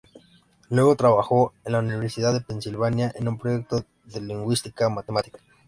Luego trabajó en la Universidad de Pennsylvania en un proyecto de lingüística matemática.